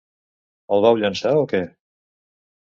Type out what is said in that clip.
El vau llençar o què?